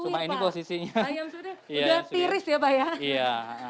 pak ayam sudah tiris ya pak ya